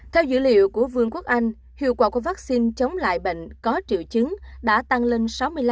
theo dữ liệu của vương quốc anh hiệu quả của vaccine chống lại bệnh có triệu chứng đã tăng lên sáu mươi năm bảy mươi năm